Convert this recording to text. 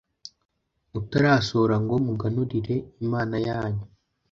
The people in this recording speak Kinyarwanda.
utarasohora ngo muganurire imana yanyu